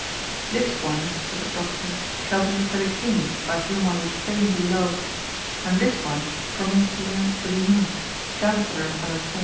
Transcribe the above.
"This one," said the Proctor, "shall be for the King by whom I would fain be loved, and this one for Monseigneur Brinon, Chancellor of Alençon."